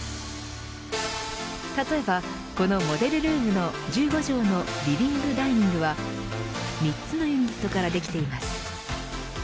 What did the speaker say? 例えば、このモデルルームの１５畳のリビング・ダイニングは３つのユニットからできています。